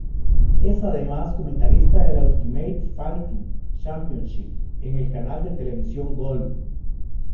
Es además comentarista de la Ultimate Fighting Championship en el canal de televisión Gol.